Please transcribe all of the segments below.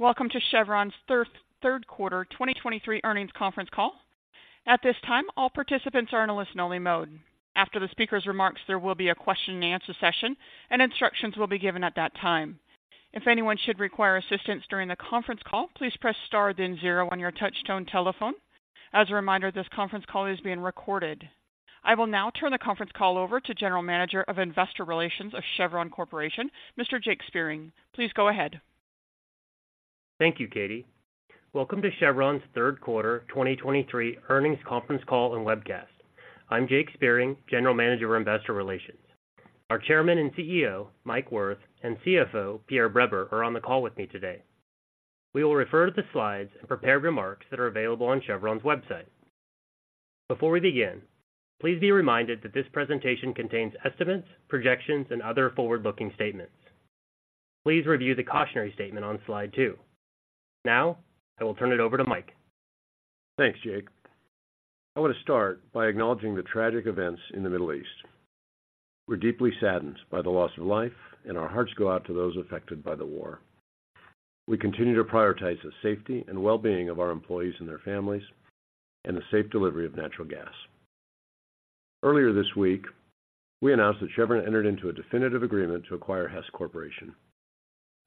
Welcome to Chevron's third quarter 2023 earnings conference call. At this time, all participants are in a listen-only mode. After the speaker's remarks, there will be a question and answer session, and instructions will be given at that time. If anyone should require assistance during the conference call, please press Star, then zero on your touchtone telephone. As a reminder, this conference call is being recorded. I will now turn the conference call over to General Manager of Investor Relations of Chevron Corporation, Mr. Jake Spiering. Please go ahead. Thank you, Katie. Welcome to Chevron's third quarter 2023 earnings conference call and webcast. I'm Jake Spiering, General Manager of Investor Relations. Our Chairman and CEO, Mike Wirth, and CFO, Pierre Breber, are on the call with me today. We will refer to the slides and prepared remarks that are available on Chevron's website. Before we begin, please be reminded that this presentation contains estimates, projections, and other forward-looking statements. Please review the cautionary statement on slide 2. Now, I will turn it over to Mike. Thanks, Jake. I want to start by acknowledging the tragic events in the Middle East. We're deeply saddened by the loss of life, and our hearts go out to those affected by the war. We continue to prioritize the safety and well-being of our employees and their families and the safe delivery of natural gas. Earlier this week, we announced that Chevron entered into a definitive agreement to acquire Hess Corporation.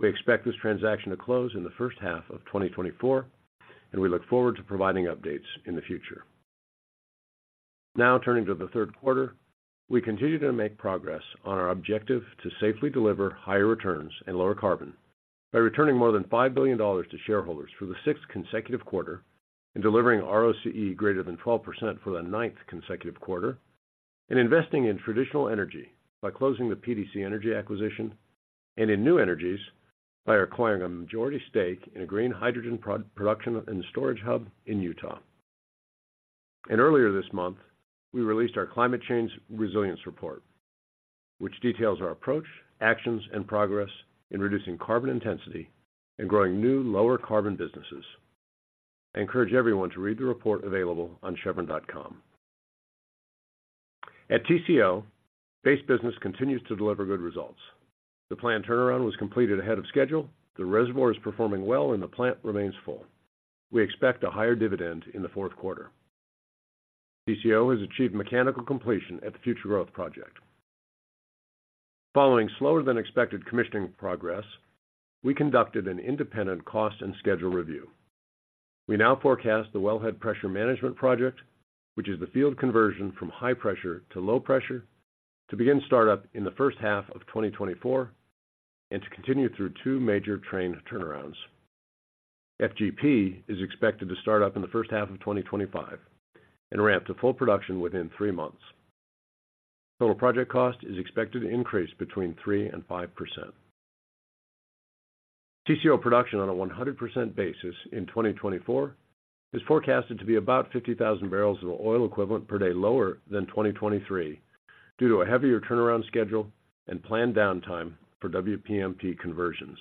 We expect this transaction to close in the first half of 2024, and we look forward to providing updates in the future. Now, turning to the third quarter, we continue to make progress on our objective to safely deliver higher returns and lower carbon by returning more than $5 billion to shareholders for the sixth consecutive quarter and delivering ROCE greater than 12% for the ninth consecutive quarter, and investing in traditional energy by closing the PDC Energy acquisition, and in new energies by acquiring a majority stake in a green hydrogen production and storage hub in Utah. Earlier this month, we released our Climate Change Resilience Report, which details our approach, actions, and progress in reducing carbon intensity and growing new, lower carbon businesses. I encourage everyone to read the report available on chevron.com. At TCO, base business continues to deliver good results. The plant turnaround was completed ahead of schedule. The reservoir is performing well, and the plant remains full. We expect a higher dividend in the fourth quarter. TCO has achieved mechanical completion at the Future Growth Project. Following slower than expected commissioning progress, we conducted an independent cost and schedule review. We now forecast the Wellhead Pressure Management Project, which is the field conversion from high pressure to low pressure, to begin startup in the first half of 2024 and to continue through two major train turnarounds. FGP is expected to start up in the first half of 2025 and ramp to full production within three months. Total project cost is expected to increase between 3% and 5%. TCO production on a 100% basis in 2024 is forecasted to be about 50,000 barrels of oil equivalent per day, lower than 2023, due to a heavier turnaround schedule and planned downtime for WPMP conversions.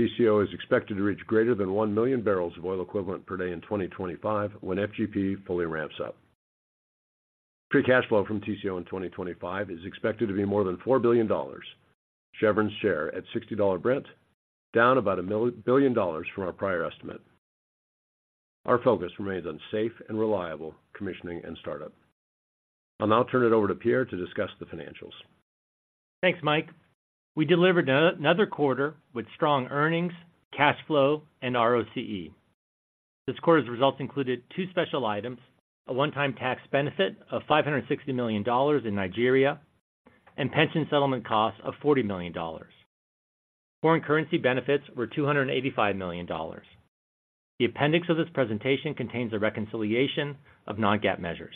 TCO is expected to reach greater than 1 million barrels of oil equivalent per day in 2025 when FGP fully ramps up. Free cash flow from TCO in 2025 is expected to be more than $4 billion. Chevron's share at $60 Brent, down about a billion dollars from our prior estimate. Our focus remains on safe and reliable commissioning and startup. I'll now turn it over to Pierre to discuss the financials. Thanks, Mike. We delivered another quarter with strong earnings, cash flow, and ROCE. This quarter's results included two special items: a one-time tax benefit of $560 million in Nigeria and pension settlement costs of $40 million. Foreign currency benefits were $285 million. The appendix of this presentation contains a reconciliation of non-GAAP measures.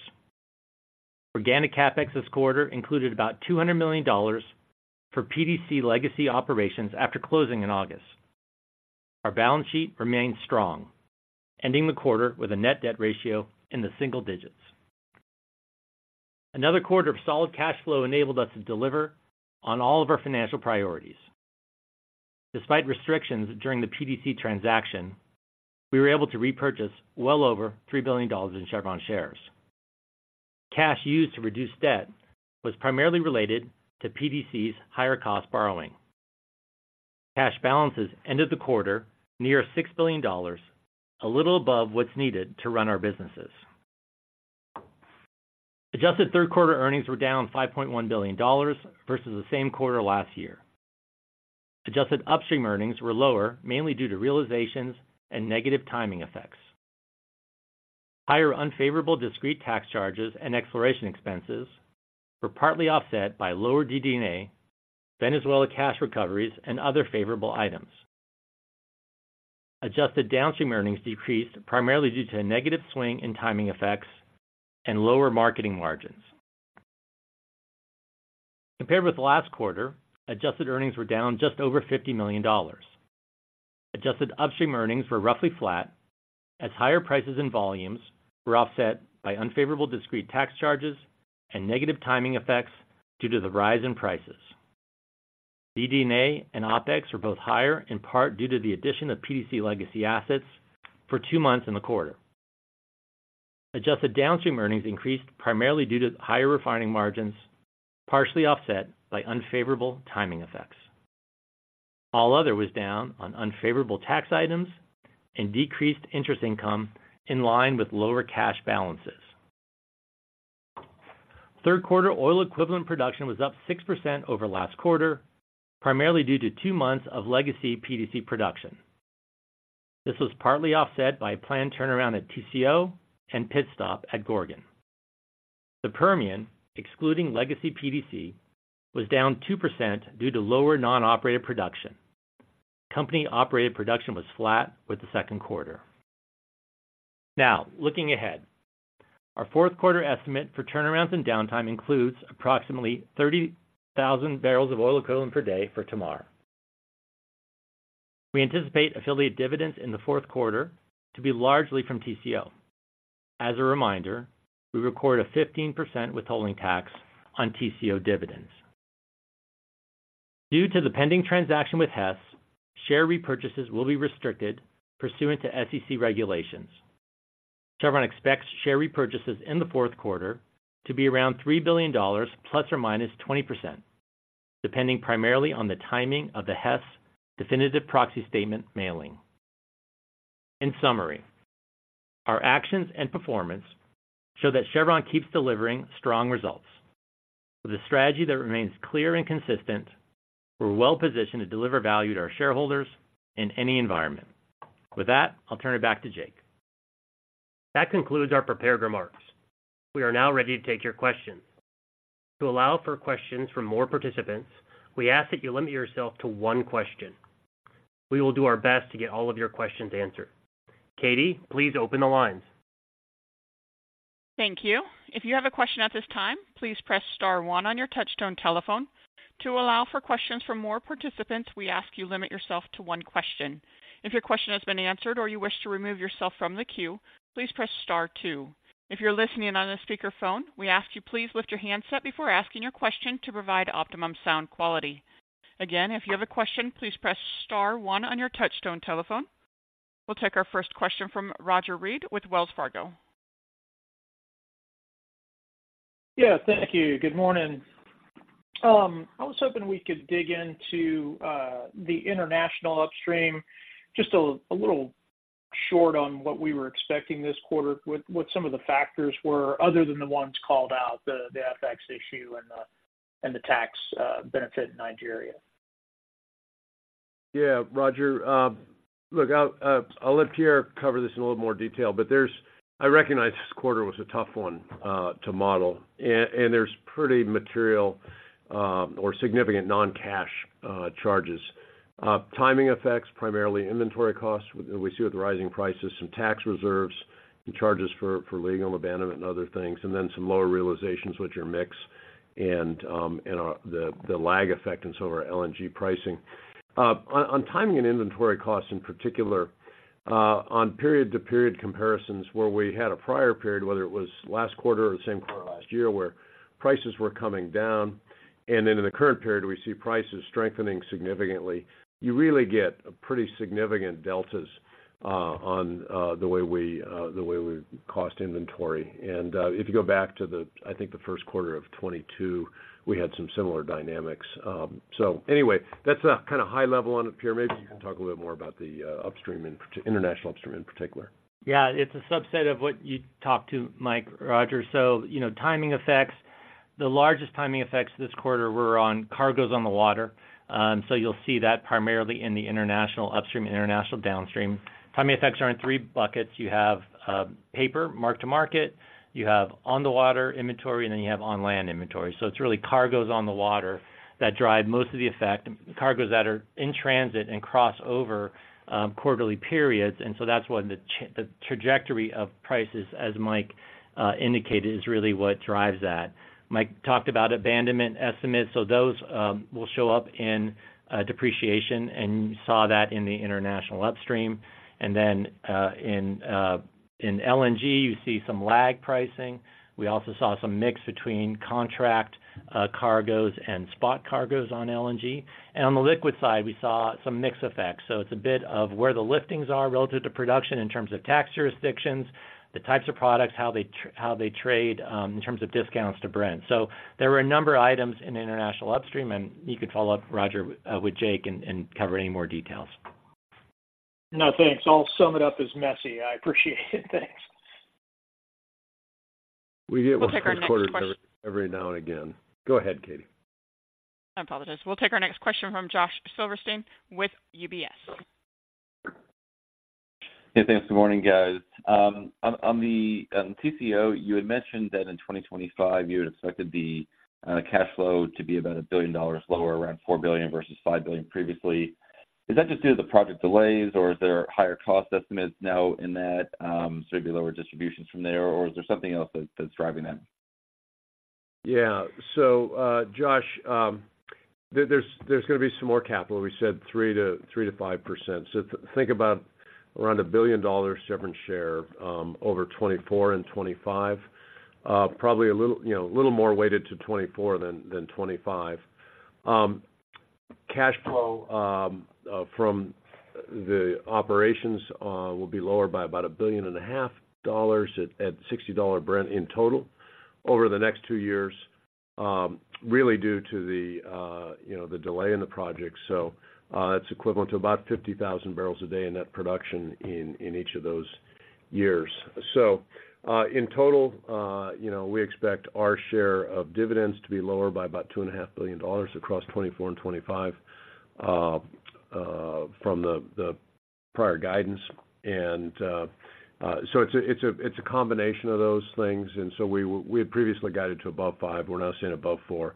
Organic CapEx this quarter included about $200 million for PDC legacy operations after closing in August. Our balance sheet remains strong, ending the quarter with a net debt ratio in the single digits. Another quarter of solid cash flow enabled us to deliver on all of our financial priorities. Despite restrictions during the PDC transaction, we were able to repurchase well over $3 billion in Chevron shares. Cash used to reduce debt was primarily related to PDC's higher cost borrowing. Cash balances ended the quarter near $6 billion, a little above what's needed to run our businesses. Adjusted third quarter earnings were down $5.1 billion versus the same quarter last year. Adjusted upstream earnings were lower, mainly due to realizations and negative timing effects. Higher unfavorable discrete tax charges and exploration expenses were partly offset by lower DD&A, Venezuela cash recoveries, and other favorable items. Adjusted downstream earnings decreased primarily due to a negative swing in timing effects and lower marketing margins. Compared with last quarter, adjusted earnings were down just over $50 million. Adjusted upstream earnings were roughly flat, as higher prices and volumes were offset by unfavorable discrete tax charges and negative timing effects due to the rise in prices. DD&A and OpEx were both higher, in part due to the addition of PDC legacy assets for two months in the quarter. Adjusted downstream earnings increased primarily due to higher refining margins, partially offset by unfavorable timing effects. All other was down on unfavorable tax items and decreased interest income in line with lower cash balances. Third quarter oil equivalent production was up 6% over last quarter, primarily due to two months of legacy PDC production. This was partly offset by a planned turnaround at TCO and pit stop at Gorgon. The Permian, excluding legacy PDC, was down 2% due to lower non-operated production. Company-operated production was flat with the second quarter. Now, looking ahead, our fourth quarter estimate for turnarounds and downtime includes approximately 30,000 barrels of oil equivalent per day for Tamar. We anticipate affiliate dividends in the fourth quarter to be largely from TCO. As a reminder, we record a 15% withholding tax on TCO dividends. Due to the pending transaction with Hess, share repurchases will be restricted pursuant to SEC regulations. Chevron expects share repurchases in the fourth quarter to be around $3 billion, ±20%, depending primarily on the timing of the Hess definitive proxy statement mailing. In summary, our actions and performance show that Chevron keeps delivering strong results. With a strategy that remains clear and consistent, we're well positioned to deliver value to our shareholders in any environment. With that, I'll turn it back to Jake. That concludes our prepared remarks. We are now ready to take your questions. To allow for questions from more participants, we ask that you limit yourself to one question. We will do our best to get all of your questions answered. Katie, please open the lines. Thank you. If you have a question at this time, please press star one on your touchtone telephone. To allow for questions from more participants, we ask you limit yourself to one question. If your question has been answered or you wish to remove yourself from the queue, please press star two. If you're listening on a speakerphone, we ask you please lift your handset before asking your question to provide optimum sound quality. Again, if you have a question, please press star one on your touchtone telephone. We'll take our first question from Roger Read with Wells Fargo. Yeah, thank you. Good morning. I was hoping we could dig into the international upstream, just a little short on what we were expecting this quarter, what some of the factors were other than the ones called out, the FX issue and the tax benefit in Nigeria. Yeah, Roger, look, I'll let Pierre cover this in a little more detail, but there's I recognize this quarter was a tough one to model, and there's pretty material or significant non-cash charges. Timing effects, primarily inventory costs we see with rising prices, some tax reserves, and charges for legal abandonment and other things, and then some lower realizations with your mix and the lag effect in some of our LNG pricing. On timing and inventory costs in particular, on period-to-period comparisons where we had a prior period, whether it was last quarter or the same quarter last year, where prices were coming down, and then in the current period, we see prices strengthening significantly, you really get pretty significant deltas on the way we cost inventory. And if you go back to the, I think the first quarter of 2022, we had some similar dynamics. So anyway, that's a kind of high level on it. Pierre, maybe you can talk a little bit more about the upstream in particular—international upstream in particular. Yeah, it's a subset of what you talked to Mike, Roger. So you know, timing effects. The largest timing effects this quarter were on cargos on the water. So you'll see that primarily in the international upstream, international downstream. Timing effects are in three buckets. You have, paper mark-to-market, you have on-the-water inventory, and then you have on-land inventory. So it's really cargos on the water that drive most of the effect, cargos that are in transit and cross over, quarterly periods. And so that's when the trajectory of prices, as Mike indicated, is really what drives that. Mike talked about abandonment estimates, so those will show up in, depreciation, and you saw that in the international upstream. And then, in, in LNG, you see some lag pricing. We also saw some mix between contract cargos and spot cargos on LNG. And on the liquid side, we saw some mix effects. So it's a bit of where the liftings are relative to production in terms of tax jurisdictions, the types of products, how they trade in terms of discounts to Brent. So there were a number of items in the international upstream, and you could follow up, Roger, with Jake and cover any more details. No, thanks. I'll sum it up as messy. I appreciate it. Thanks. We get one per quarter- We'll take our next question.... every now and again. Go ahead, Katie. I apologize. We'll take our next question from Josh Silverstein with UBS. Hey, thanks. Good morning, guys. On the TCO, you had mentioned that in 2025, you had expected the cash flow to be about $1 billion lower, around $4 billion versus $5 billion previously. Is that just due to the project delays, or is there higher cost estimates now in that, so it'd be lower distributions from there, or is there something else that's driving that? Yeah. So, Josh, there, there's gonna be some more capital. We said 3%-5%. So think about around $1 billion Chevron share, over 2024 and 2025. Probably a little, you know, a little more weighted to 2024 than 2025. Cash flow from the operations will be lower by about $1.5 billion at $60 Brent in total over the next two years. Really due to the, you know, the delay in the project. So, it's equivalent to about 50,000 barrels a day in net production in each of those years. In total, you know, we expect our share of dividends to be lower by about $2.5 billion across 2024 and 2025 from the prior guidance. So it's a combination of those things, and so we had previously guided to above 5, we're now saying above four.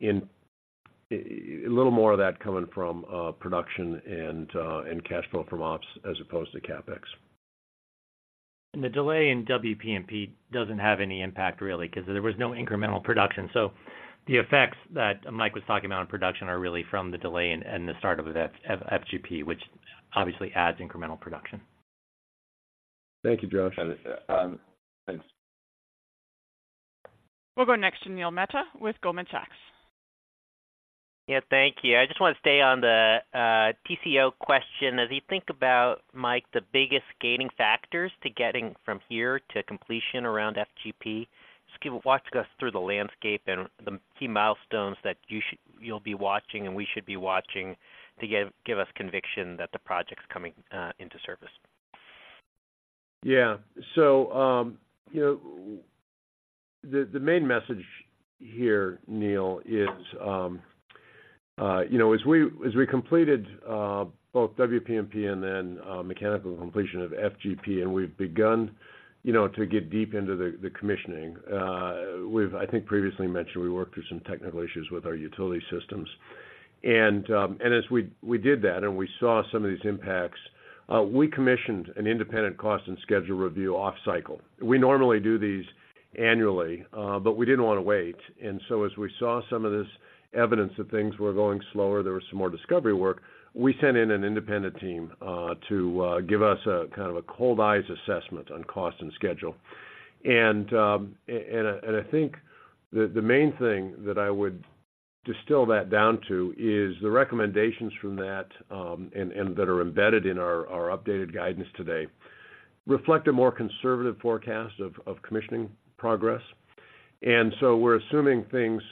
And a little more of that coming from production and cash flow from ops as opposed to CapEx. The delay in WPMP doesn't have any impact really, 'cause there was no incremental production. So the effects that Mike was talking about on production are really from the delay and the start-up of FGP, which obviously adds incremental production. Thank you, Josh. Thanks. We'll go next to Neil Mehta with Goldman Sachs. Yeah, thank you. I just want to stay on the TCO question. As you think about, Mike, the biggest gaining factors to getting from here to completion around FGP, just walk us through the landscape and the key milestones that you'll be watching, and we should be watching, to give, give us conviction that the project's coming into service. Yeah. So, you know, the main message here, Neil, is, you know, as we completed both WPMP and then mechanical completion of FGP, and we've begun, you know, to get deep into the commissioning, we've... I think previously mentioned, we worked through some technical issues with our utility systems. And as we did that, and we saw some of these impacts, we commissioned an independent cost and schedule review off cycle. We normally do these annually, but we didn't want to wait. And so as we saw some of this evidence that things were going slower, there was some more discovery work, we sent in an independent team to give us a kind of a cold eyes assessment on cost and schedule. I think the main thing that I would distill that down to is the recommendations from that that are embedded in our updated guidance today reflect a more conservative forecast of commissioning progress. So we're assuming things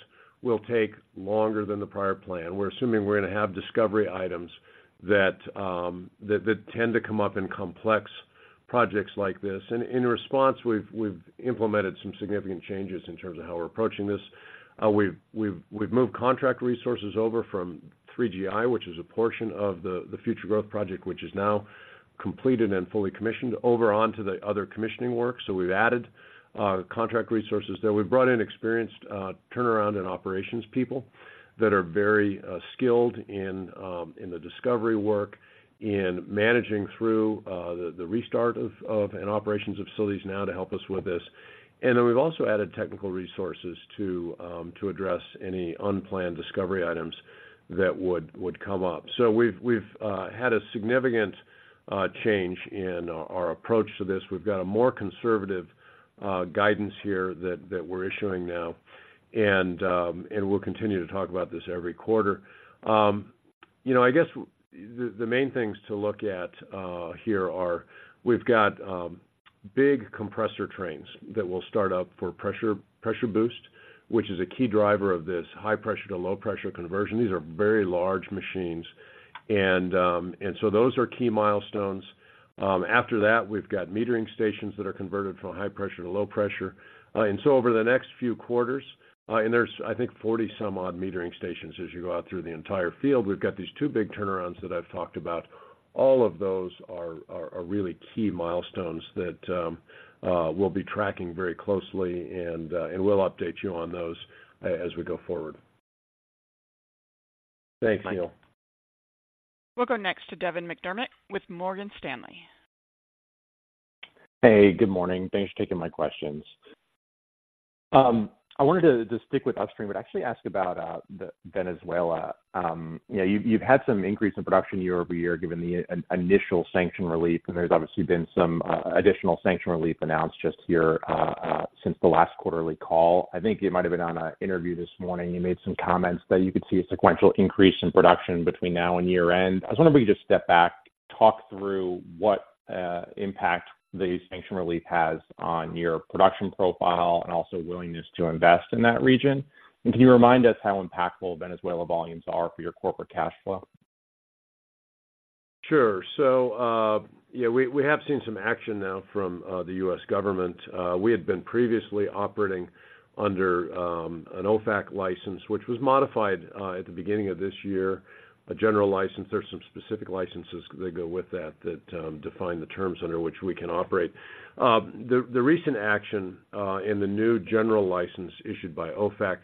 will take longer than the prior plan. We're assuming we're going to have discovery items that tend to come up in complex projects like this. In response, we've implemented some significant changes in terms of how we're approaching this. We've moved contract resources over from 3GI, which is a portion of the Future Growth Project, which is now completed and fully commissioned, over onto the other commissioning work. So we've added contract resources there. We've brought in experienced turnaround and operations people that are very skilled in the discovery work, in managing through the restart of and operations of facilities now to help us with this. And then we've also added technical resources to address any unplanned discovery items that would come up. So we've had a significant change in our approach to this. We've got a more conservative guidance here that we're issuing now, and we'll continue to talk about this every quarter. You know, I guess the main things to look at here are: we've got big compressor trains that will start up for pressure boost, which is a key driver of this high-pressure to low-pressure conversion. These are very large machines, and so those are key milestones. After that, we've got metering stations that are converted from high pressure to low pressure. And so over the next few quarters, and there's, I think, 40-some-odd metering stations as you go out through the entire field. We've got these two big turnarounds that I've talked about. All of those are really key milestones that we'll be tracking very closely, and we'll update you on those as we go forward. Thanks, Neil. We'll go next to Devin McDermott with Morgan Stanley. Hey, good morning. Thanks for taking my questions. I wanted to, to stick with upstream, but actually ask about, the Venezuela. You know, you've, you've had some increase in production year-over-year, given the initial sanction relief, and there's obviously been some, additional sanction relief announced just here, since the last quarterly call. I think you might have been on an interview this morning, you made some comments that you could see a sequential increase in production between now and year-end. I was wondering if you could just step back, talk through what, impact the sanction relief has on your production profile and also willingness to invest in that region. And can you remind us how impactful Venezuela volumes are for your corporate cash flow? Sure. Yeah, we have seen some action now from the U.S. government. We had been previously operating under an OFAC license, which was modified at the beginning of this year. A general license, there are some specific licenses that go with that, that define the terms under which we can operate. The recent action in the new general license issued by OFAC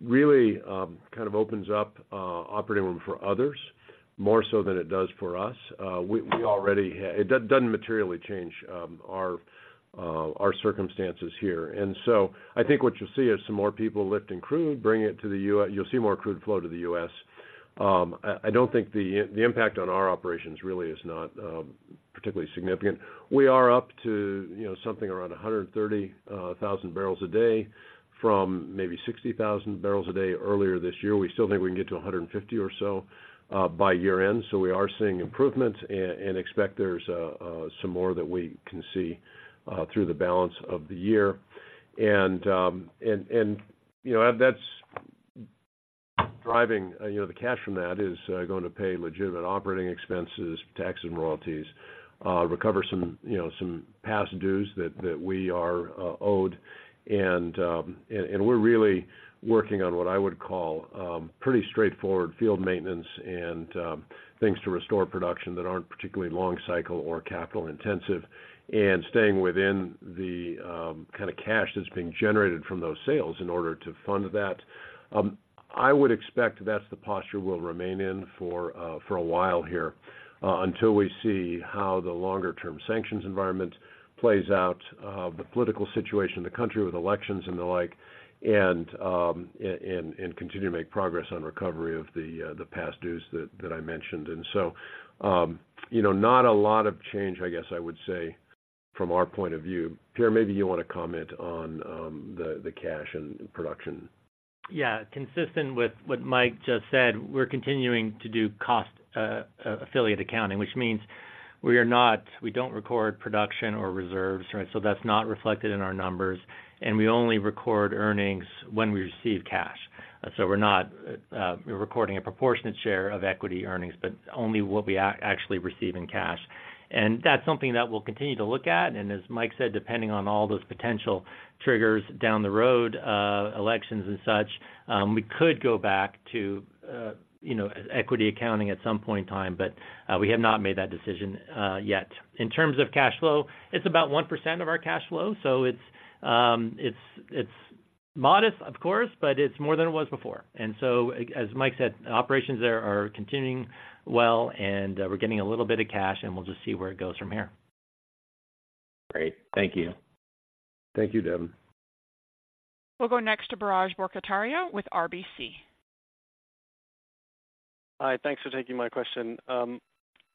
really kind of opens up operating room for others, more so than it does for us. We already had—it doesn't materially change our circumstances here. I think what you'll see is some more people lifting crude, bringing it to the U.S.—you'll see more crude flow to the U.S. I don't think the impact on our operations really is not particularly significant. We are up to, you know, something around 130,000 barrels a day from maybe 60,000 barrels a day earlier this year. We still think we can get to 150 or so by year-end. So we are seeing improvements and expect there's some more that we can see through the balance of the year. And, you know, that's driving, you know, the cash from that is going to pay legitimate operating expenses, taxes, and royalties, recover some, you know, some past dues that we are owed. And we're really working on what I would call pretty straightforward field maintenance and things to restore production that aren't particularly long cycle or capital intensive, and staying within the kind of cash that's being generated from those sales in order to fund that. I would expect that's the posture we'll remain in for a while here until we see how the longer-term sanctions environment plays out, the political situation in the country with elections and the like, and continue to make progress on recovery of the past dues that I mentioned. And so, you know, not a lot of change, I guess I would say, from our point of view. Pierre, maybe you want to comment on the cash and production. Yeah, consistent with what Mike just said, we're continuing to do cost affiliate accounting, which means we are not, we don't record production or reserves, right? So that's not reflected in our numbers, and we only record earnings when we receive cash. So we're not recording a proportionate share of equity earnings, but only what we actually receive in cash. And that's something that we'll continue to look at, and as Mike said, depending on all those potential triggers down the road, elections and such, we could go back to, you know, equity accounting at some point in time, but we have not made that decision yet. In terms of cash flow, it's about 1% of our cash flow, so it's, it's modest, of course, but it's more than it was before. And so as Mike said, operations there are continuing well, and we're getting a little bit of cash, and we'll just see where it goes from here. Great. Thank you. Thank you, Devin. We'll go next to Biraj Borkhataria with RBC. Hi, thanks for taking my question.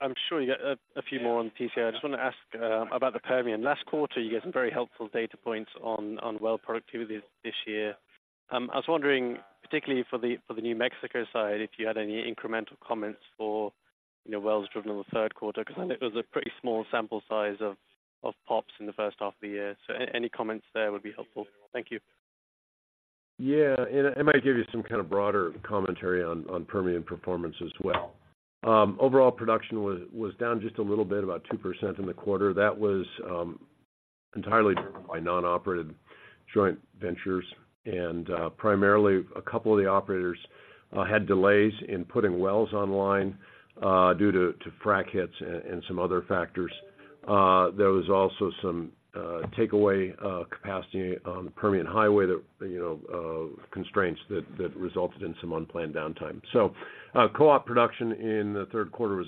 I'm sure you got a few more on PCI. I just want to ask about the Permian. Last quarter, you gave some very helpful data points on well productivity this year. I was wondering, particularly for the New Mexico side, if you had any incremental comments for, you know, wells driven in the third quarter, because I think it was a pretty small sample size of POPs in the first half of the year. So any comments there would be helpful. Thank you. Yeah, and I might give you some kind of broader commentary on Permian performance as well. Overall production was down just a little bit, about 2% in the quarter. That was entirely driven by non-operated joint ventures, and primarily a couple of the operators had delays in putting wells online due to frac hits and some other factors. There was also some takeaway capacity on the Permian Highway that, you know, constraints that resulted in some unplanned downtime. So, co-op production in the third quarter was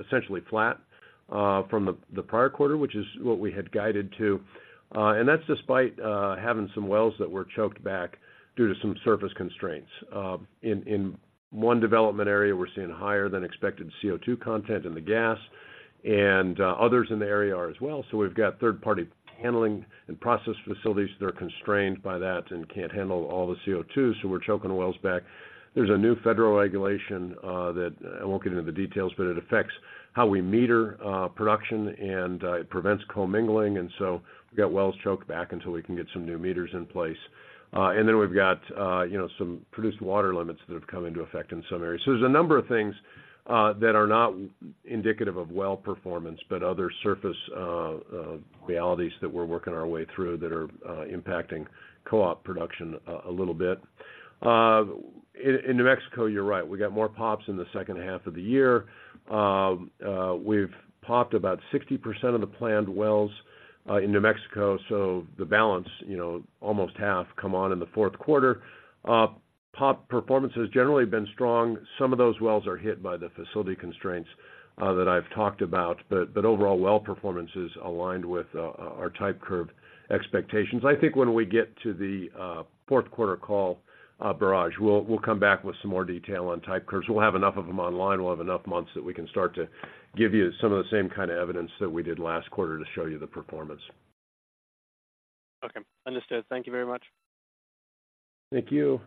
essentially flat from the prior quarter, which is what we had guided to. And that's despite having some wells that were choked back due to some surface constraints. In one development area, we're seeing higher-than-expected CO2 content in the gas, and others in the area are as well, so we've got third-party handling and process facilities that are constrained by that and can't handle all the CO2, so we're choking the wells back. There's a new federal regulation that I won't get into the details, but it affects how we meter production, and it prevents commingling, and so we've got wells choked back until we can get some new meters in place. And then we've got, you know, some produced water limits that have come into effect in some areas. So there's a number of things that are not indicative of well performance, but other surface realities that we're working our way through that are impacting co-op production a little bit. In New Mexico, you're right. We got more POPs in the second half of the year. We've POPed about 60% of the planned wells in New Mexico, so the balance, you know, almost half come on in the fourth quarter. POP performance has generally been strong. Some of those wells are hit by the facility constraints that I've talked about, but overall, well performance is aligned with our type curve expectations. I think when we get to the fourth quarter call, Biraj, we'll come back with some more detail on type curves. We'll have enough of them online, we'll have enough months that we can start to give you some of the same kind of evidence that we did last quarter to show you the performance. Okay, understood. Thank you very much. Thank you.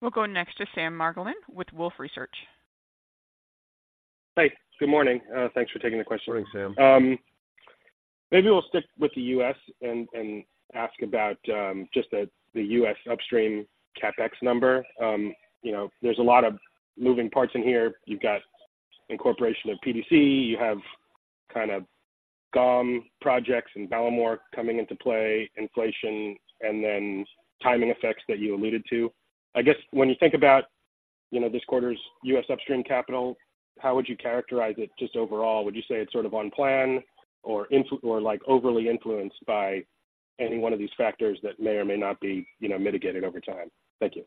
We'll go next to Sam Margolin with Wolfe Research. Hi, good morning. Thanks for taking the question. Good morning, Sam. Maybe we'll stick with the US and ask about just the US upstream CapEx number. You know, there's a lot of moving parts in here. You've got incorporation of PDC, you have kind of GOM projects and Ballymore coming into play, inflation, and then timing effects that you alluded to. I guess when you think about, you know, this quarter's US upstream capital, how would you characterize it just overall? Would you say it's sort of on plan or influenced or, like, overly influenced by any one of these factors that may or may not be, you know, mitigated over time? Thank you.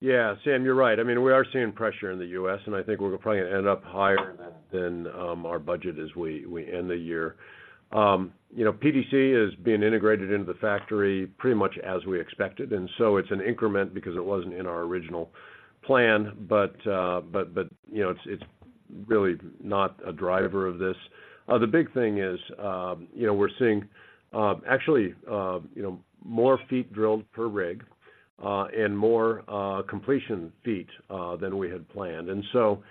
Yeah, Sam, you're right. I mean, we are seeing pressure in the U.S., and I think we're gonna probably end up higher than our budget as we end the year. You know, PDC is being integrated into the factory pretty much as we expected, and so it's an increment because it wasn't in our original plan. But, you know, it's really not a driver of this. The big thing is, you know, we're seeing actually, you know, more feet drilled per rig and more completion feet than we had planned. And so,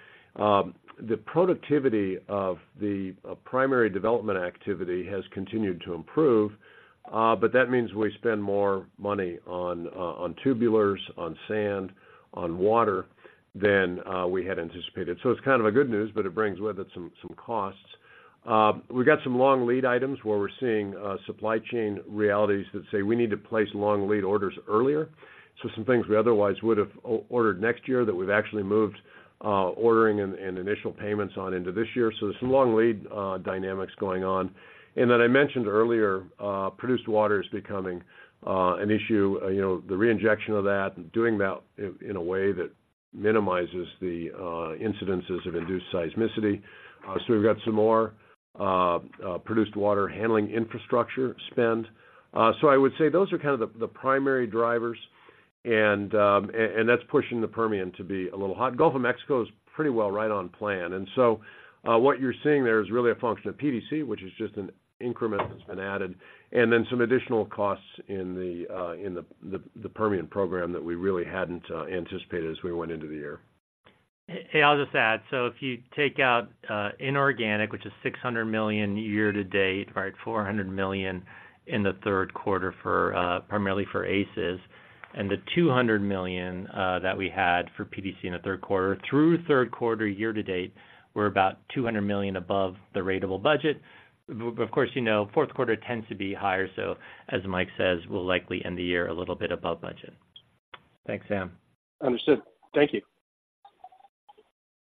the productivity of the primary development activity has continued to improve, but that means we spend more money on tubulars, on sand, on water than we had anticipated. So it's kind of a good news, but it brings with it some costs. We've got some long lead items where we're seeing supply chain realities that say we need to place long lead orders earlier. So some things we otherwise would have ordered next year that we've actually moved ordering and initial payments on into this year. So there's some long lead dynamics going on. And then I mentioned earlier, produced water is becoming an issue, you know, the reinjection of that and doing that in a way that minimizes the incidences of induced seismicity. So we've got some more produced water handling infrastructure spend. So I would say those are kind of the primary drivers, and that's pushing the Permian to be a little hot. Gulf of Mexico is pretty well right on plan. And so, what you're seeing there is really a function of PDC, which is just an increment that's been added, and then some additional costs in the Permian program that we really hadn't anticipated as we went into the year. Hey, I'll just add. So if you take out, inorganic, which is $600 million year to date, right? $400 million in the third quarter for, primarily for ACES, and the $200 million, that we had for PDC in the third quarter. Through third quarter, year to date, we're about $200 million above the ratable budget. But of course, you know, fourth quarter tends to be higher, so as Mike says, we'll likely end the year a little bit above budget. Thanks, Sam. Understood. Thank you.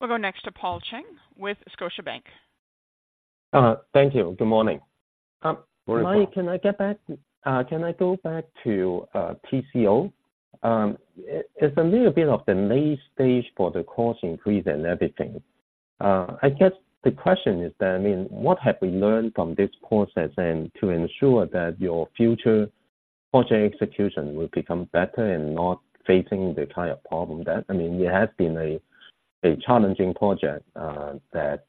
We'll go next to Paul Cheng with Scotiabank. Thank you. Good morning. Good morning, Paul. Mike, can I go back to TCO? It's a little bit of the late stage for the cost increase and everything. I guess the question is then, I mean, what have we learned from this process then to ensure that your future project execution will become better and not facing the kind of problem that... I mean, it has been a challenging project, that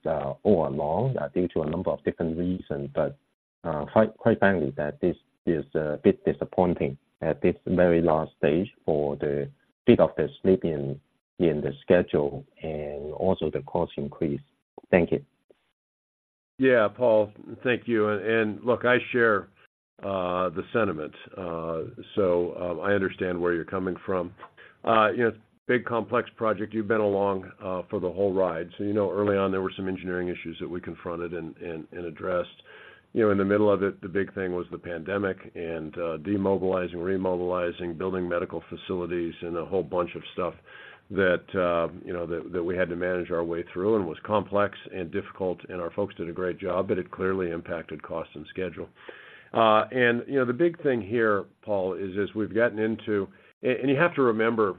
overall, due to a number of different reasons, but quite frankly, that this is a bit disappointing at this very last stage for the bit of the slip in the schedule and also the cost increase. Thank you. Yeah, Paul, thank you. And, look, I share the sentiment, I understand where you're coming from. You know, big complex project, you've been along for the whole ride. So you know, early on, there were some engineering issues that we confronted and addressed. You know, in the middle of it, the big thing was the pandemic and demobilizing, remobilizing, building medical facilities, and a whole bunch of stuff that, you know, that we had to manage our way through and was complex and difficult, and our folks did a great job, but it clearly impacted cost and schedule. And, you know, the big thing here, Paul, is as we've gotten into and you have to remember,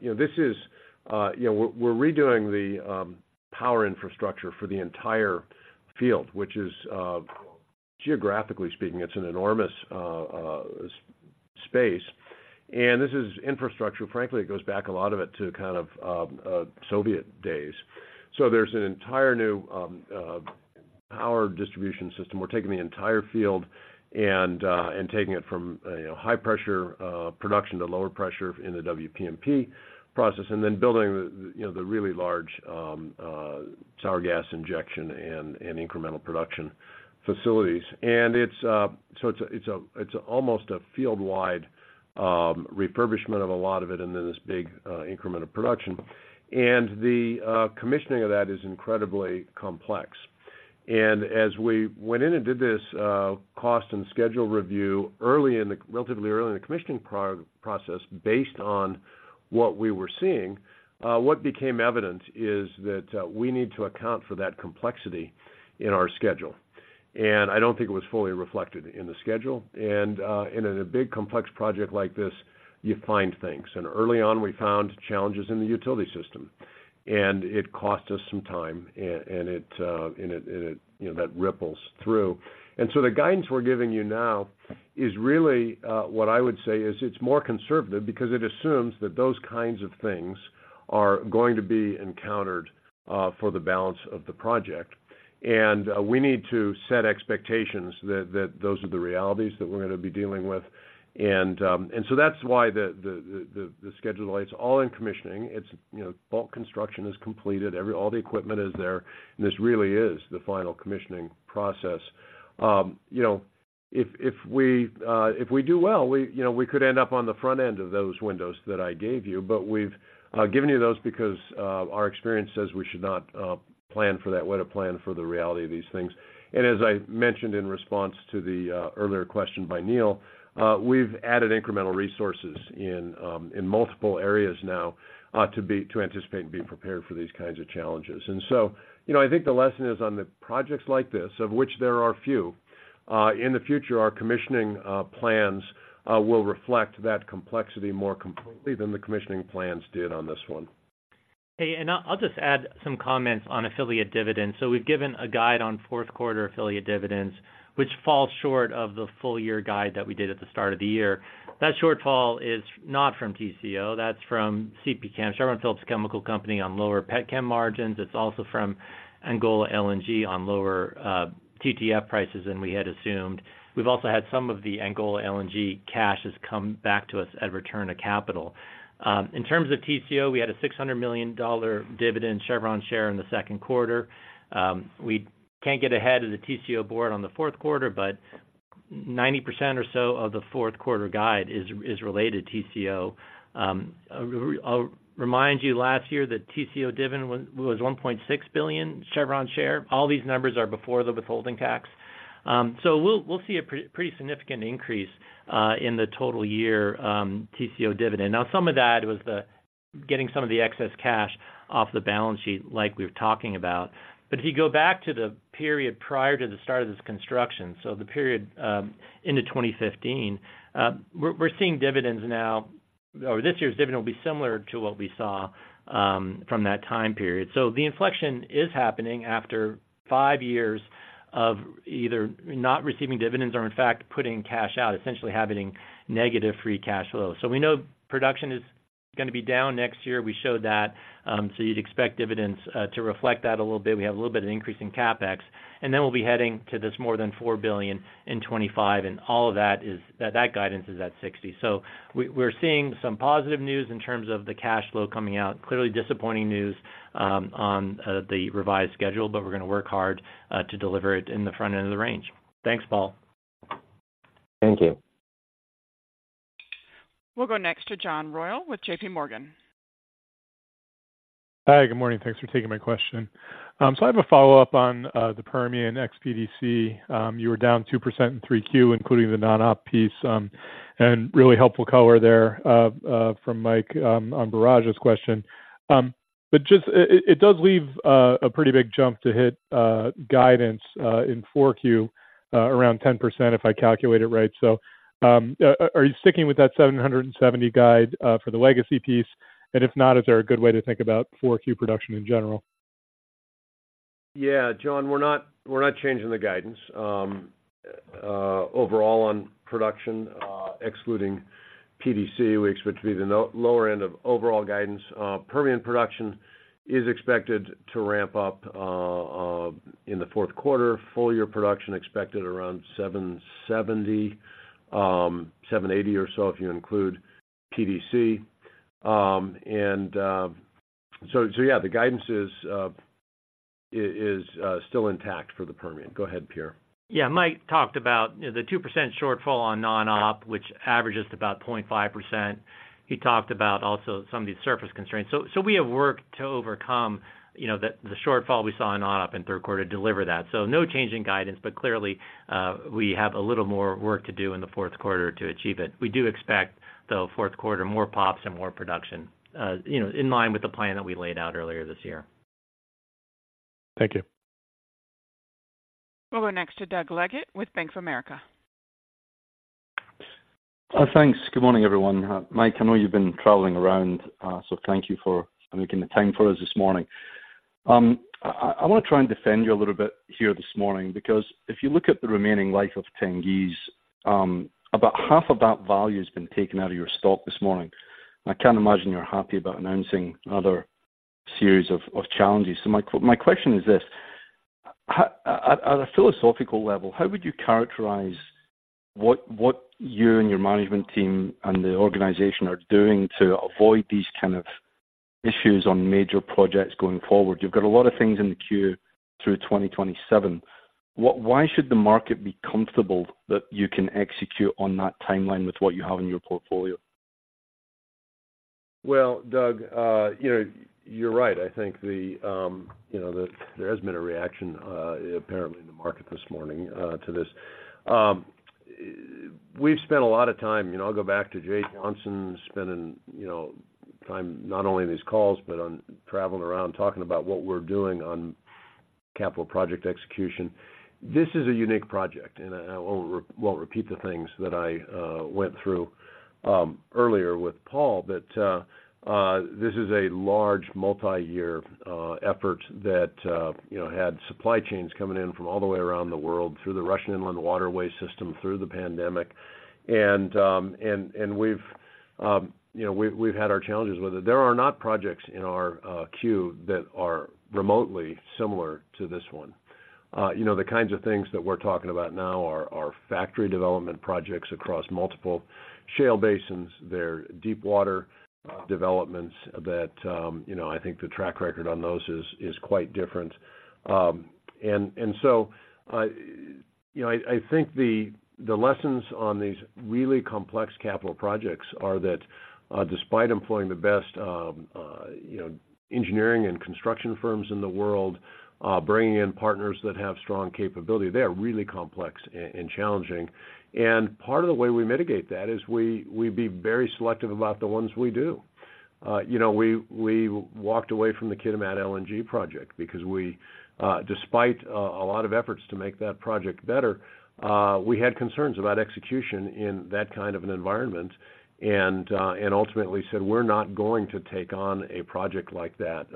you know, this is, you know, we're redoing the power infrastructure for the entire field, which is, geographically speaking, it's an enormous space. And this is infrastructure. Frankly, it goes back a lot of it to kind of Soviet days. So there's an entire new power distribution system. We're taking the entire field and taking it from, you know, high-pressure production to lower pressure in the WPMP process, and then building the, you know, the really large sour gas injection and incremental production facilities. And it's so it's a, it's a, it's almost a field-wide refurbishment of a lot of it, and then this big increment of production. And the commissioning of that is incredibly complex. And as we went in and did this, cost and schedule review relatively early in the commissioning process, based on what we were seeing, what became evident is that we need to account for that complexity in our schedule. And I don't think it was fully reflected in the schedule. And in a big, complex project like this, you find things. And early on, we found challenges in the utility system, and it cost us some time, and it, you know, that ripples through. And so the guidance we're giving you now is really what I would say is it's more conservative because it assumes that those kinds of things are going to be encountered for the balance of the project. We need to set expectations that those are the realities that we're going to be dealing with. That's why the schedule lights all in commissioning. It's, you know, bulk construction is completed, all the equipment is there, and this really is the final commissioning process. You know, if we do well, we could end up on the front end of those windows that I gave you, but we've given you those because our experience says we should not plan for that. We're to plan for the reality of these things. As I mentioned in response to the earlier question by Neil, we've added incremental resources in multiple areas now to anticipate and be prepared for these kinds of challenges. And so, you know, I think the lesson is on the projects like this, of which there are few, in the future, our commissioning plans will reflect that complexity more completely than the commissioning plans did on this one. Hey, and I'll just add some comments on affiliate dividends. So we've given a guide on fourth quarter affiliate dividends, which falls short of the full year guide that we did at the start of the year. That shortfall is not from TCO, that's from CP Chem, Chevron Phillips Chemical Company, on lower pet chem margins. It's also from Angola LNG on lower TTF prices than we had assumed. We've also had some of the Angola LNG cash has come back to us as return of capital. In terms of TCO, we had a $600 million dividend Chevron share in the second quarter. We can't get ahead of the TCO board on the fourth quarter, but 90% or so of the fourth quarter guide is related TCO. I'll remind you, last year that TCO dividend was $1.6 billion Chevron share. All these numbers are before the withholding tax. So we'll see a pretty significant increase in the total year TCO dividend. Now, some of that was the getting some of the excess cash off the balance sheet, like we were talking about. But if you go back to the period prior to the start of this construction, so the period into 2015, we're seeing dividends now or this year's dividend will be similar to what we saw from that time period. So the inflection is happening after five years of either not receiving dividends or in fact, putting cash out, essentially having negative free cash flow. So we know production is gonna be down next year. We showed that, so you'd expect dividends to reflect that a little bit. We have a little bit of increase in CapEx, and then we'll be heading to this more than $4 billion in 2025, and all of that is, that guidance is at $60. So we're seeing some positive news in terms of the cash flow coming out. Clearly disappointing news on the revised schedule, but we're gonna work hard to deliver it in the front end of the range. Thanks, Paul. Thank you. We'll go next to John Royall with JPMorgan. Hi, good morning. Thanks for taking my question. So I have a follow-up on the Permian ex-PDC. You were down 2% in 3Q, including the non-op piece, and really helpful color there from Mike on Biraj's question. But just it does leave a pretty big jump to hit guidance in 4Q around 10%, if I calculate it right. So are you sticking with that 770 guide for the legacy piece? And if not, is there a good way to think about 4Q production in general? Yeah, John, we're not, we're not changing the guidance. Overall on production, excluding PDC, we expect to be the lower end of overall guidance. Permian production is expected to ramp up in the fourth quarter. Full year production expected around 770, 780 or so, if you include PDC. And so yeah, the guidance is still intact for the Permian. Go ahead, Pierre. Yeah, Mike talked about, you know, the 2% shortfall on non-op, which averages about 0.5%. He talked about also some of these surface constraints. So, so we have worked to overcome, you know, the shortfall we saw in non-op in third quarter, deliver that. So no change in guidance, but clearly, we have a little more work to do in the fourth quarter to achieve it. We do expect, the fourth quarter, more pops and more production, you know, in line with the plan that we laid out earlier this year. Thank you. We'll go next to Doug Leggate with Bank of America. Thanks. Good morning, everyone. Mike, I know you've been traveling around, so thank you for making the time for us this morning. I wanna try and defend you a little bit here this morning, because if you look at the remaining life of Tengiz, about half of that value has been taken out of your stock this morning. I can't imagine you're happy about announcing another series of challenges. So my question is this: How... At a philosophical level, how would you characterize what you and your management team and the organization are doing to avoid these kind of issues on major projects going forward? You've got a lot of things in the queue through 2027. Why should the market be comfortable that you can execute on that timeline with what you have in your portfolio? Well, Doug, you know, you're right. I think the, you know, the-- there has been a reaction, apparently in the market this morning, to this. We've spent a lot of time, you know, I'll go back to Jay Johnson, spending, you know, time, not only in these calls, but on traveling around, talking about what we're doing on capital project execution. This is a unique project, and I won't re-- won't repeat the things that I went through, earlier with Paul, but, this is a large, multi-year, effort that, you know, had supply chains coming in from all the way around the world, through the Russian Inland waterway system, through the pandemic. And, and, and we've, you know, we've, we've had our challenges with it. There are not projects in our queue that are remotely similar to this one. You know, the kinds of things that we're talking about now are factory development projects across multiple shale basins. They're deep water developments that, you know, I think the track record on those is quite different. And so, I, you know, I think the lessons on these really complex capital projects are that, despite employing the best, you know, engineering and construction firms in the world, bringing in partners that have strong capability, they are really complex and challenging. And part of the way we mitigate that is we be very selective about the ones we do. You know, we walked away from the Kitimat LNG project because we, despite a lot of efforts to make that project better, we had concerns about execution in that kind of an environment... and ultimately said, we're not going to take on a project like that,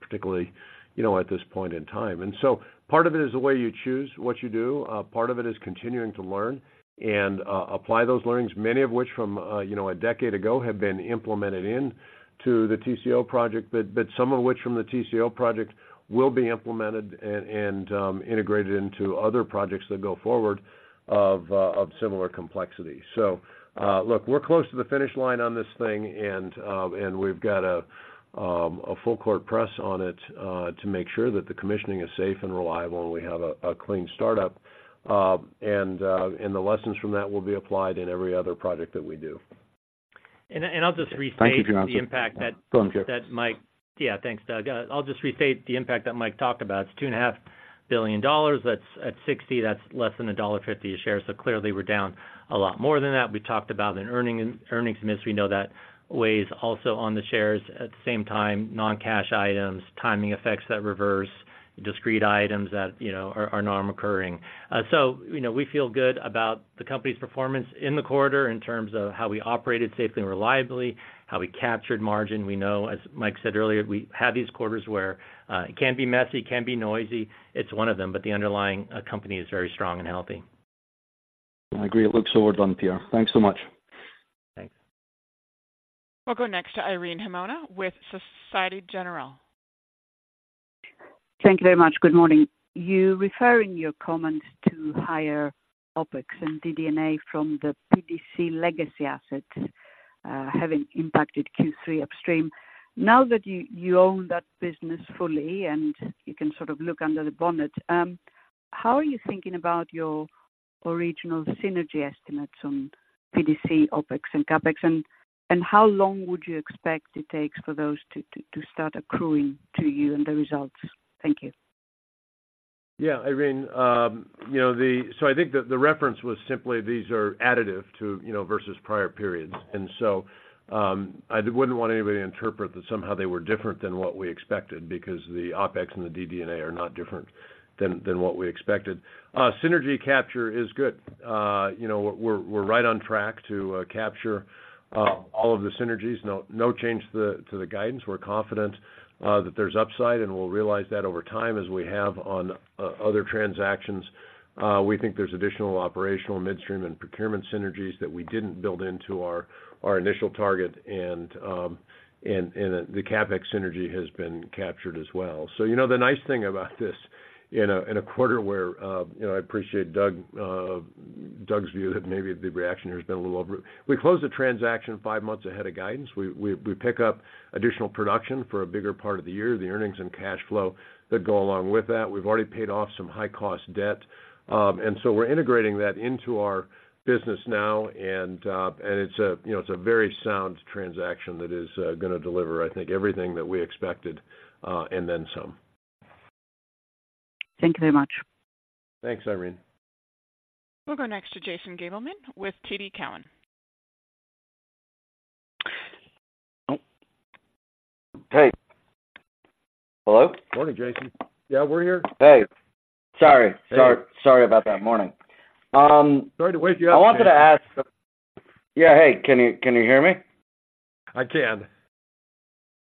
particularly, you know, at this point in time. So part of it is the way you choose what you do. Part of it is continuing to learn and apply those learnings, many of which from, you know, a decade ago, have been implemented into the TCO project. But some of which from the TCO project will be implemented and integrated into other projects that go forward of similar complexity. So, look, we're close to the finish line on this thing, and we've got a full court press on it to make sure that the commissioning is safe and reliable, and we have a clean startup. The lessons from that will be applied in every other project that we do. I'll just restate the impact that Mike... Yeah, thanks, Doug. I'll just restate the impact that Mike talked about. It's $2.5 billion. That's at $60, that's less than $1.50 a share, so clearly, we're down a lot more than that. We talked about an earnings miss. We know that weighs also on the shares. At the same time, non-cash items, timing effects that reverse, discrete items that, you know, are non-recurring. So you know, we feel good about the company's performance in the quarter in terms of how we operated safely and reliably, how we captured margin. We know, as Mike said earlier, we have these quarters where it can be messy, can be noisy, it's one of them, but the underlying company is very strong and healthy. I agree. It looks overdone, Pierre. Thanks so much. Thanks. We'll go next to Irene Himona with Société Générale. Thank you very much. Good morning. You refer in your comments to higher OpEx and DD&A from the PDC legacy asset, having impacted Q3 upstream. Now that you own that business fully, and you can sort of look under the bonnet, how are you thinking about your original synergy estimates on PDC, OpEx and CapEx? And how long would you expect it takes for those to start accruing to you and the results? Thank you. Yeah, Irene, you know, the so I think the reference was simply these are additive to, you know, versus prior periods. And so, I wouldn't want anybody to interpret that somehow they were different than what we expected because the OpEx and the DD&A are not different than what we expected. Synergy capture is good. You know, we're right on track to capture all of the synergies. No change to the guidance. We're confident that there's upside, and we'll realize that over time, as we have on other transactions. We think there's additional operational midstream and procurement synergies that we didn't build into our initial target, and the CapEx synergy has been captured as well. So, you know, the nice thing about this in a quarter where, you know, I appreciate Doug's view, that maybe the reaction here has been a little over. We closed the transaction five months ahead of guidance. We pick up additional production for a bigger part of the year, the earnings and cash flow that go along with that. We've already paid off some high-cost debt. And so we're integrating that into our business now, and it's a, you know, it's a very sound transaction that is gonna deliver, I think, everything that we expected, and then some. Thank you very much. Thanks, Irene. We'll go next to Jason Gabelman with TD Cowen. Nope. Hey. Hello? Morning, Jason. Yeah, we're here. Hey, sorry. Hey. Sorry, sorry about that. Morning. Sorry to wake you up. I wanted to ask. Yeah, hey, can you, can you hear me? I can.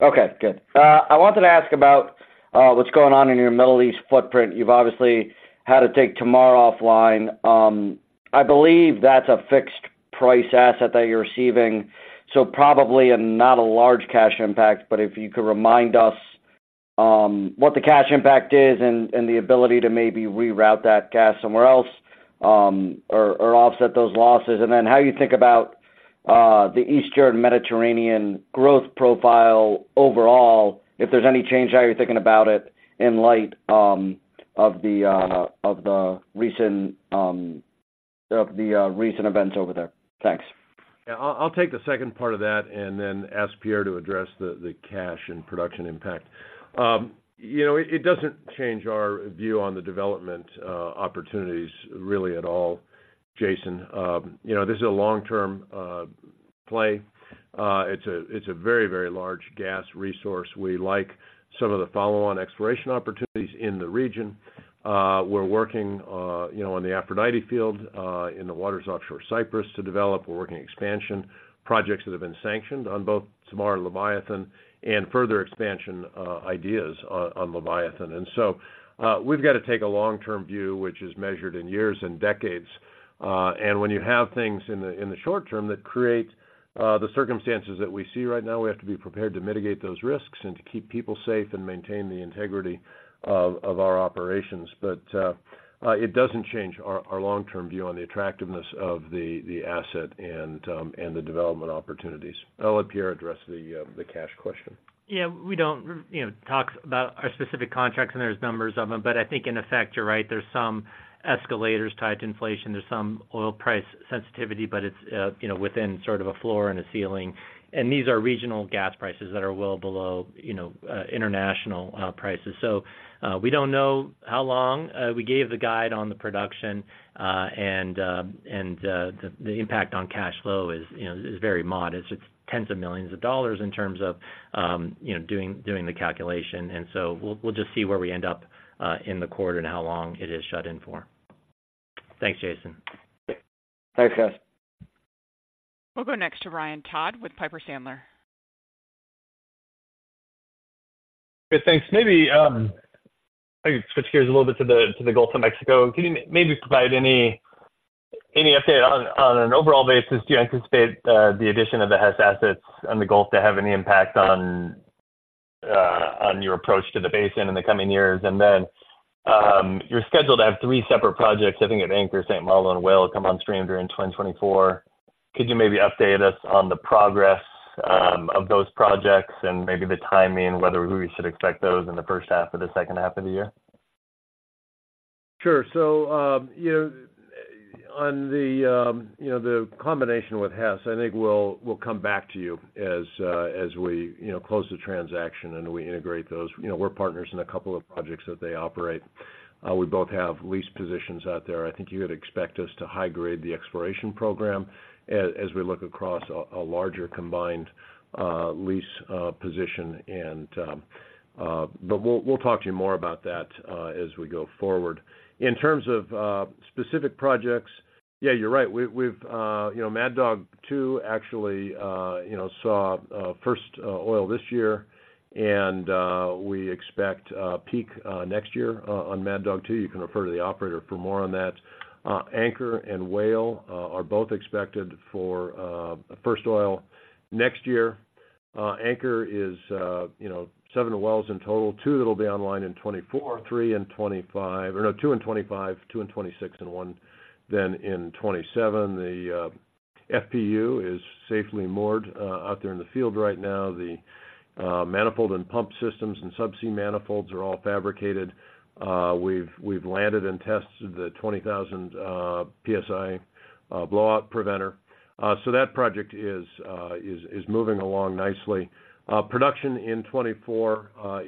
Okay, good. I wanted to ask about what's going on in your Middle East footprint. You've obviously had to take Tamar offline. I believe that's a fixed price asset that you're receiving, so probably not a large cash impact, but if you could remind us what the cash impact is and the ability to maybe reroute that gas somewhere else or offset those losses. And then how you think about the Eastern Mediterranean growth profile overall, if there's any change how you're thinking about it in light of the recent events over there. Thanks. Yeah. I'll take the second part of that and then ask Pierre to address the cash and production impact. You know, it doesn't change our view on the development opportunities really at all, Jason. You know, this is a long-term play. It's a very, very large gas resource. We like some of the follow-on exploration opportunities in the region. We're working, you know, on the Aphrodite field in the waters offshore Cyprus to develop. We're working expansion projects that have been sanctioned on both Tamar and Leviathan and further expansion ideas on Leviathan. And so, we've got to take a long-term view, which is measured in years and decades. and when you have things in the short term that create the circumstances that we see right now, we have to be prepared to mitigate those risks and to keep people safe and maintain the integrity of our operations. But it doesn't change our long-term view on the attractiveness of the asset and the development opportunities. I'll let Pierre address the cash question. Yeah, we don't, you know, talk about our specific contracts, and there's numbers of them, but I think in effect, you're right, there's some escalators tied to inflation. There's some oil price sensitivity, but it's, you know, within sort of a floor and a ceiling. And these are regional gas prices that are well below, you know, international prices. So, we don't know how long, we gave the guide on the production, and the impact on cash flow is, you know, very modest. It's $ tens of millions in terms of, you know, doing the calculation. And so we'll just see where we end up in the quarter and how long it is shut in for. Thanks, Jason. Thanks, guys. We'll go next to Ryan Todd with Piper Sandler. Good, thanks. Maybe I could switch gears a little bit to the Gulf of Mexico. Can you maybe provide any update on an overall basis? Do you anticipate the addition of the Hess assets on the Gulf to have any impact on your approach to the basin in the coming years? And then, you're scheduled to have three separate projects, I think, at Anchor, St. Malo, and Whale, come on stream during 2024. Could you maybe update us on the progress of those projects and maybe the timing, whether we should expect those in the first half or the second half of the year? Sure. So, you know, on the, you know, the combination with Hess, I think we'll, we'll come back to you as, as we, you know, close the transaction and we integrate those. You know, we're partners in a couple of projects that they operate. We both have lease positions out there. I think you would expect us to high-grade the exploration program as we look across a, a larger combined, lease, position and... But we'll, we'll talk to you more about that, as we go forward. In terms of, specific projects, yeah, you're right. We've, we've, you know, Mad Dog Two actually, you know, saw, first, oil this year, and, we expect, peak, next year, on Mad Dog Two. You can refer to the operator for more on that. Anchor and Whale are both expected for first oil next year. Anchor is, you know, seven wells in total. Two that'll be online in 2024, three in 2025, or no, two in 2025, two in 2026, and one then in 2027. The FPU is safely moored out there in the field right now. The manifold and pump systems and subsea manifolds are all fabricated. We've landed and tested the 20,000 PSI blowout preventer. So that project is moving along nicely. Production in 2024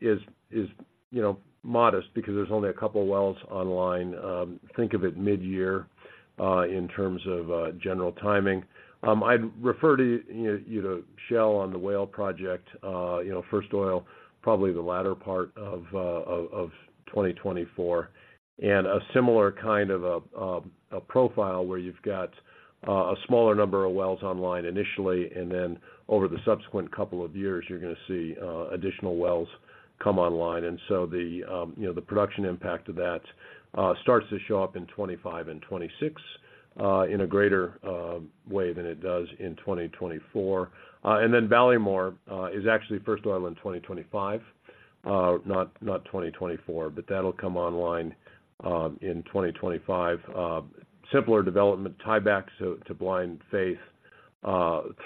is, you know, modest because there's only a couple of wells online. Think of it mid-year in terms of general timing. I'd refer to, you know, Shell on the Whale project. You know, first oil, probably the latter part of 2024. And a similar kind of a profile where you've got a smaller number of wells online initially, and then over the subsequent couple of years, you're gonna see additional wells come online. And so the, you know, the production impact of that starts to show up in 2025 and 2026 in a greater way than it does in 2024. And then Ballymore is actually first oil in 2025, not 2024, but that'll come online in 2025. Simpler development, tieback to Blind Faith.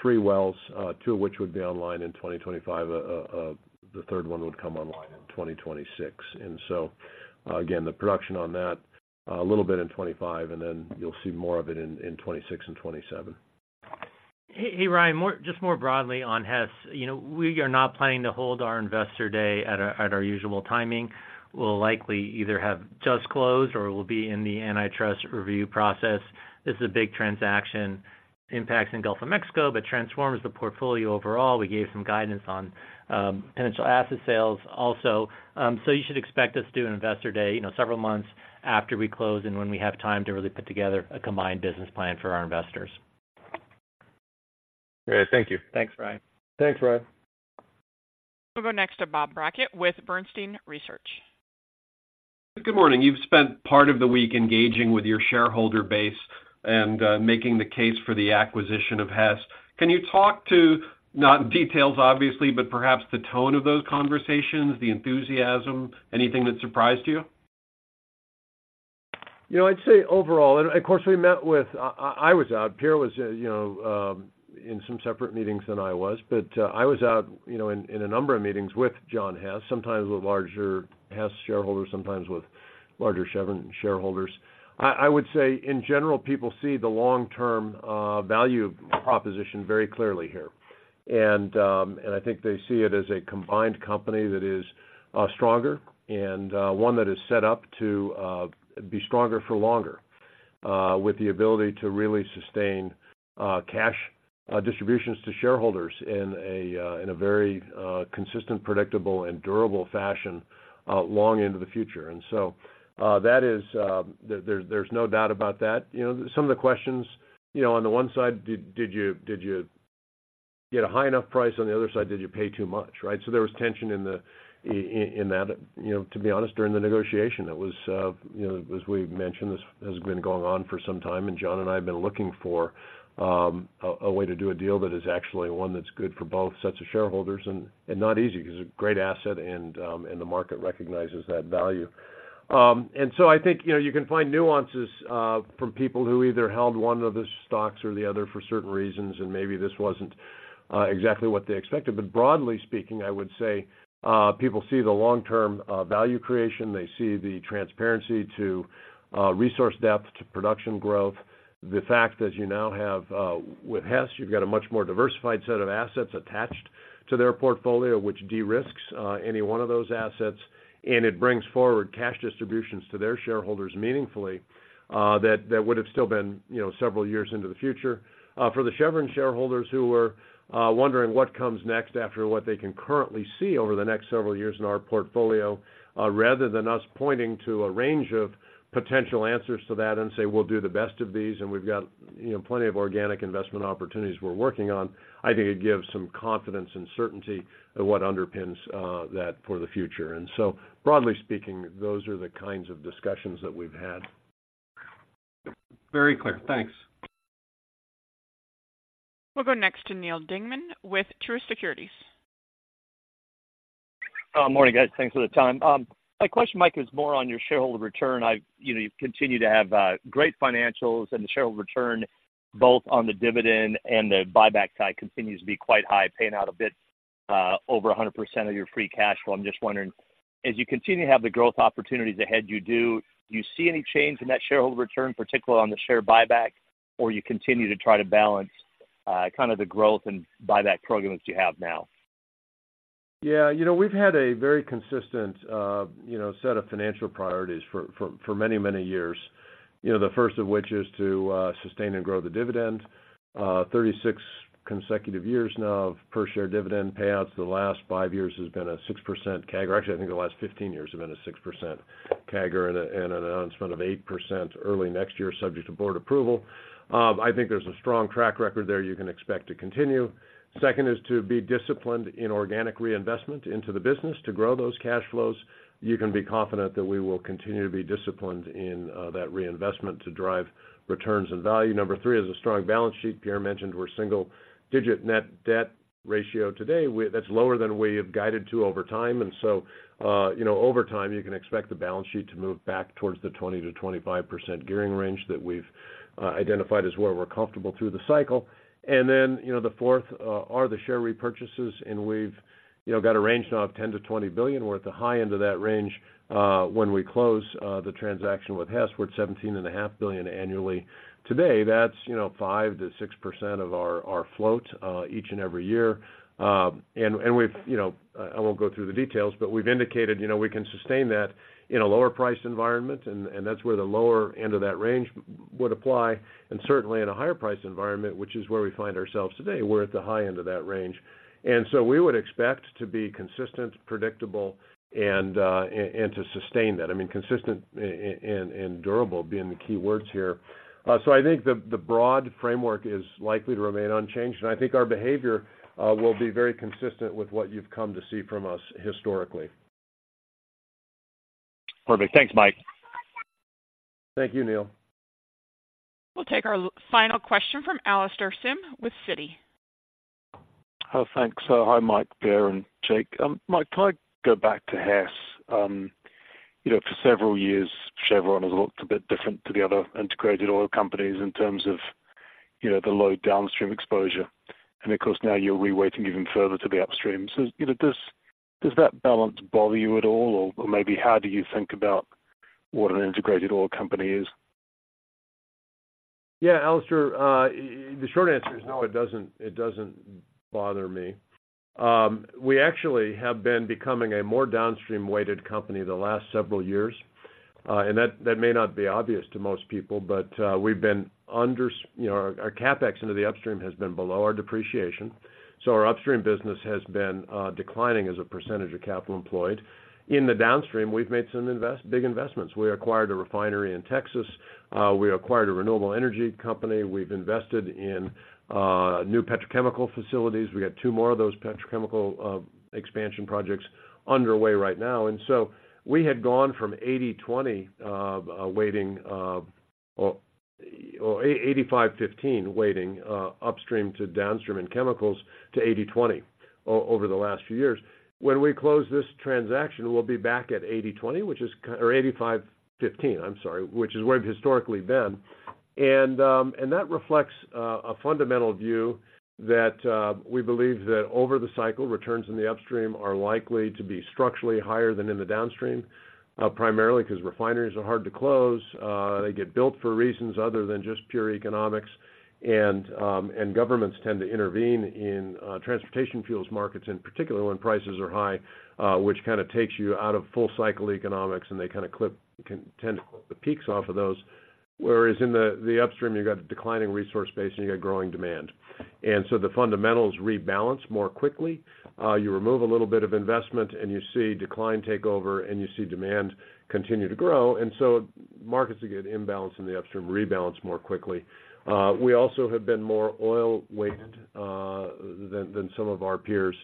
Three wells, two of which would be online in 2025, the third one would come online in 2026. Again, the production on that, a little bit in 2025, and then you'll see more of it in 2026 and 2027. Hey, Ryan, more—just more broadly on Hess. You know, we are not planning to hold our Investor Day at our usual timing. We'll likely either have just closed or will be in the antitrust review process. This is a big transaction, impacts in Gulf of Mexico, but transforms the portfolio overall. We gave some guidance on potential asset sales also. So you should expect us to do an Investor Day, you know, several months after we close and when we have time to really put together a combined business plan for our investors. Great. Thank you. Thanks, Ryan. Thanks, Ryan. We'll go next to Bob Brackett with Bernstein Research. Good morning. You've spent part of the week engaging with your shareholder base and, making the case for the acquisition of Hess. Can you talk to, not details, obviously, but perhaps the tone of those conversations, the enthusiasm, anything that surprised you? You know, I'd say overall. And of course, we met with, I was out, Pierre was, you know, in some separate meetings than I was, but I was out, you know, in a number of meetings with John Hess, sometimes with larger Hess shareholders, sometimes with larger Chevron shareholders. I would say, in general, people see the long-term value proposition very clearly here. And I think they see it as a combined company that is stronger and one that is set up to be stronger for longer, with the ability to really sustain cash distributions to shareholders in a very consistent, predictable, and durable fashion long into the future. And so, that is, there's no doubt about that. You know, some of the questions, you know, on the one side, did you get a high enough price? On the other side, did you pay too much, right? So there was tension in that, you know, to be honest, during the negotiation. It was, you know, as we've mentioned, this has been going on for some time, and John and I have been looking for a way to do a deal that is actually one that's good for both sets of shareholders, and not easy because it's a great asset and the market recognizes that value. And so I think, you know, you can find nuances from people who either held one of the stocks or the other for certain reasons, and maybe this wasn't exactly what they expected. But broadly speaking, I would say people see the long-term value creation. They see the transparency to resource depth, to production growth. The fact that you now have, with Hess, you've got a much more diversified set of assets attached to their portfolio, which de-risks any one of those assets, and it brings forward cash distributions to their shareholders meaningfully, that would have still been, you know, several years into the future. For the Chevron shareholders who were wondering what comes next after what they can currently see over the next several years in our portfolio, rather than us pointing to a range of potential answers to that and say, "We'll do the best of these," and we've got, you know, plenty of organic investment opportunities we're working on, I think it gives some confidence and certainty of what underpins that for the future. And so broadly speaking, those are the kinds of discussions that we've had. Very clear. Thanks. We'll go next to Neal Dingmann with Truist Securities. Morning, guys. Thanks for the time. My question, Mike, is more on your shareholder return. I've, you know, you've continued to have great financials and the shareholder return, both on the dividend and the buyback side, continues to be quite high, paying out a bit over 100% of your free cash flow. I'm just wondering, as you continue to have the growth opportunities ahead, you do, do you see any change in that shareholder return, particularly on the share buyback, or you continue to try to balance kind of the growth and buyback program that you have now? Yeah, you know, we've had a very consistent, you know, set of financial priorities for many, many years. You know, the first of which is to sustain and grow the dividend. 36 consecutive years now of per share dividend payouts. The last five years has been a 6% CAGR. Actually, I think the last 15 years have been a 6% CAGR and an announcement of 8% early next year, subject to board approval. I think there's a strong track record there you can expect to continue. Second is to be disciplined in organic reinvestment into the business to grow those cash flows. You can be confident that we will continue to be disciplined in that reinvestment to drive returns and value. Number three is a strong balance sheet. Pierre mentioned we're single-digit net debt ratio today. That's lower than we have guided to over time, and so, you know, over time, you can expect the balance sheet to move back towards the 20%-25% gearing range that we've identified as where we're comfortable through the cycle. And then, you know, the fourth are the share repurchases, and we've, you know, got a range now of $10 billion-$20 billion. We're at the high end of that range when we close the transaction with Hess, we're $17.5 billion annually. Today, that's, you know, 5%-6% of our float each and every year. And we've, you know, I won't go through the details, but we've indicated, you know, we can sustain that in a lower price environment, and that's where the lower end of that range would apply. Certainly in a higher price environment, which is where we find ourselves today, we're at the high end of that range. So we would expect to be consistent, predictable, and to sustain that. I mean, consistent and durable being the key words here. So I think the broad framework is likely to remain unchanged, and I think our behavior will be very consistent with what you've come to see from us historically. Perfect. Thanks, Mike. Thank you, Neil. We'll take our final question from Alastair Syme with Citi. Thanks. Hi, Mike, Pierre, and Jake. Mike, can I go back to Hess? You know, for several years, Chevron has looked a bit different to the other integrated oil companies in terms of, you know, the low downstream exposure, and of course, now you're reweighting even further to the upstream. So, you know, does that balance bother you at all, or maybe how do you think about what an integrated oil company is? Yeah, Alastair, the short answer is no, it doesn't, it doesn't bother me. We actually have been becoming a more downstream-weighted company the last several years, and that may not be obvious to most people, but we've been under... You know, our CapEx into the upstream has been below our depreciation, so our upstream business has been declining as a percentage of capital employed. In the downstream, we've made some big investments. We acquired a refinery in Texas, we acquired a renewable energy company, we've invested in new petrochemical facilities. We got two more of those petrochemical expansion projects underway right now. And so we had gone from 80/20 weighting or 85/15 weighting upstream to downstream and chemicals to 80/20 over the last few years. When we close this transaction, we'll be back at 80/20, which is or 85/15, I'm sorry, which is where we've historically been. And that reflects a fundamental view that we believe that over the cycle, returns in the upstream are likely to be structurally higher than in the downstream, primarily 'cause refineries are hard to close. They get built for reasons other than just pure economics, and governments tend to intervene in transportation fuels markets, and particularly when prices are high, which kinda takes you out of full cycle economics, and they kinda clip, tend to clip the peaks off of those. Whereas in the upstream, you've got a declining resource base, and you've got growing demand. And so the fundamentals rebalance more quickly. You remove a little bit of investment, and you see decline take over, and you see demand continue to grow, and so markets that get imbalanced in the upstream rebalance more quickly. We also have been more oil-weighted than some of our peers,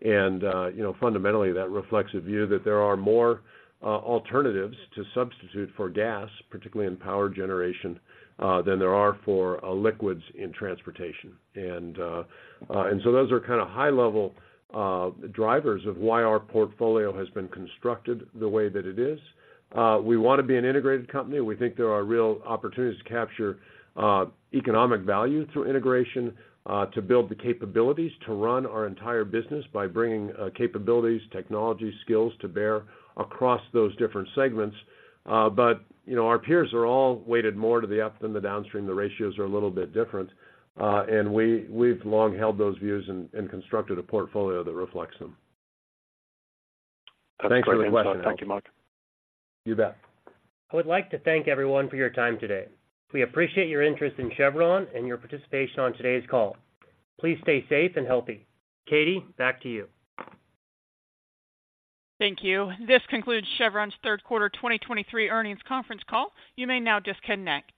and, you know, fundamentally, that reflects a view that there are more alternatives to substitute for gas, particularly in power generation, than there are for liquids in transportation. And so those are kind of high-level drivers of why our portfolio has been constructed the way that it is. We want to be an integrated company. We think there are real opportunities to capture economic value through integration, to build the capabilities, to run our entire business by bringing capabilities, technology, skills to bear across those different segments. But, you know, our peers are all weighted more to the up than the downstream. The ratios are a little bit different, and we, we've long held those views and constructed a portfolio that reflects them. That's great insight. Thank you, Mike. You bet. I would like to thank everyone for your time today. We appreciate your interest in Chevron and your participation on today's call. Please stay safe and healthy. Katie, back to you. Thank you. This concludes Chevron's third quarter 2023 earnings conference call. You may now disconnect.